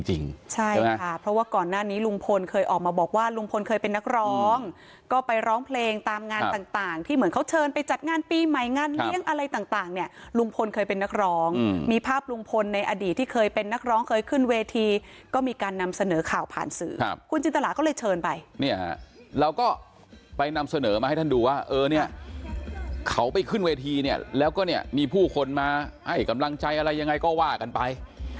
เวทีจริงใช่ไหมครับเพราะว่าก่อนหน้านี้ลุงพลเคยออกมาบอกว่าลุงพลเคยเป็นนักร้องก็ไปร้องเพลงตามงานต่างที่เหมือนเขาเชิญไปจัดงานปีใหม่งานเลี้ยงอะไรต่างเนี่ยลุงพลเคยเป็นนักร้องมีภาพลุงพลในอดีตที่เคยเป็นนักร้องเคยขึ้นเวทีก็มีการนำเสนอข่าวผ่านสื่อครับคุณจินตราก็เลยเชิญไปเนี่ยเราก็ไปนำเสนอมาให